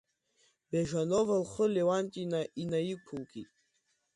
Бежанова лхы Леуанти инаиқәылкит.